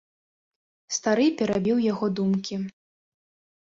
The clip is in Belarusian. Стары перабіў яго думкі.